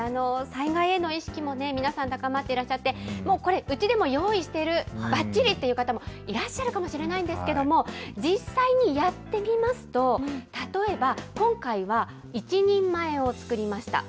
災害への意識もね、皆さん、高まっていらっしゃって、もうこれ、うちでも用意してる、ばっちりっていう方もいらっしゃるかもしれないんですけれども、実際にやって見ますと、例えば、今回は１人前を作りました。